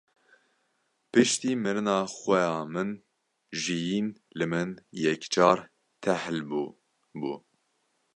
Piştî mirina xweha min jiyîn li min yekcar tehil bû bû.